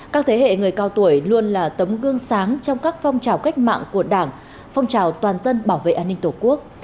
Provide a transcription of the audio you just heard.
các thế hệ người cao tuổi luôn là tấm gương sáng trong các phong trào cách mạng của đảng phong trào toàn dân bảo vệ an ninh tổ quốc